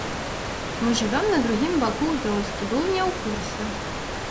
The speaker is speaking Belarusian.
Мы жывём на другім баку вёскі, быў не ў курсе.